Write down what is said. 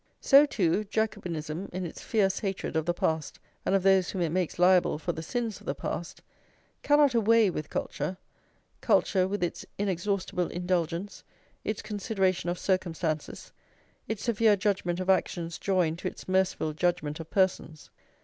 So, too, Jacobinism, in its fierce hatred of the past and of those whom it makes liable for the sins of the past, cannot away with culture, culture with its inexhaustible indulgence, its consideration of circumstances, its severe judgment of actions joined to its merciful judgment of persons.